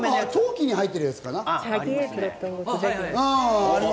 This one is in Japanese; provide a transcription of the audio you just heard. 陶器に入っているやつかな？